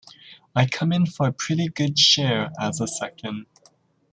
I come in for a pretty good share as a second.